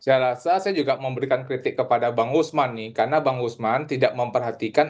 saya rasa saya juga memberikan kritik kepada bang usman nih karena bang usman tidak memperhatikan